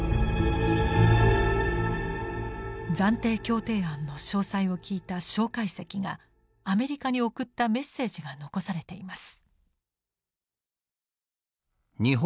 暫定協定案の詳細を聞いた介石がアメリカに送ったメッセージが残されています。